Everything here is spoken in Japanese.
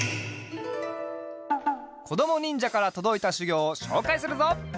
こどもにんじゃからとどいたしゅぎょうをしょうかいするぞ！